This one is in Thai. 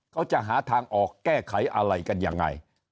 เขาจะหาทางออกแก้ไขอะไรกันยังไง